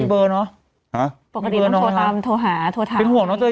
มีเบอร์เนอะฮะปกติน้องโทรถามโทรหาโทรถามเป็นห่วงน้องเจย